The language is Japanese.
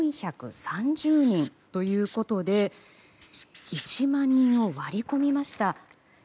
６４３０人ということで１万人を割り込みました。